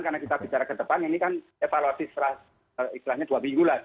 karena kita bicara ke depan ini kan evaluasi setelah istilahnya dua minggu lah